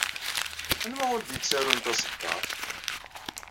Anwa ur d-yettarun taṣeddart?